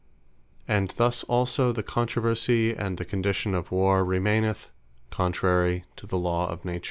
And thus also the controversie, and the condition of War remaineth, contrary to the Law of Nature.